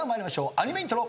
アニメイントロ。